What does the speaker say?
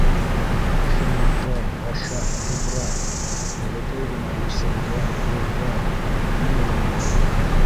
Үҫемлектәр, башаҡ, тупраҡ, бәләкәй генә үлсәүҙәр, герҙәр - нимә генә юҡ бында!